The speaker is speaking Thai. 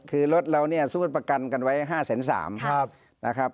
คือรถเรานี่สมมุติประกันกันไว้๕๓๐๐๐๐๐พาร์ต